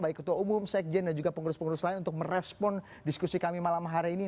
baik ketua umum sekjen dan juga pengurus pengurus lain untuk merespon diskusi kami malam hari ini